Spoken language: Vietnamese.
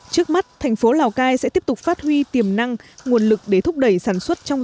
trước mắt thành phố lào cai sẽ tiếp tục phát huy tiềm năng nguồn lực để thúc đẩy sản xuất trong